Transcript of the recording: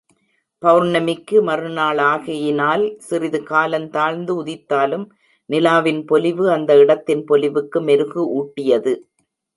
பெளர்ணமிக்கு மறுநாளாகையினால் சிறிது காலந்தாழ்ந்து உதித்தாலும் நிலாவின் பொலிவு அந்த இடத்தின் பொலிவுக்கு மெருகு ஊட்டியது.